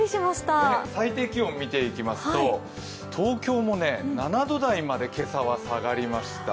最低気温見ていきますと東京も７度台まで今朝は下がりました。